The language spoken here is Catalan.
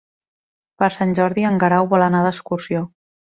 Per Sant Jordi en Guerau vol anar d'excursió.